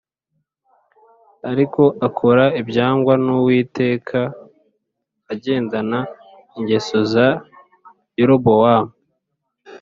Ariko akora ibyangwa n’Uwiteka agendana ingeso za Yerobowamu